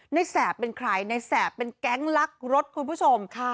แสบเป็นใครในแสบเป็นแก๊งลักรถคุณผู้ชม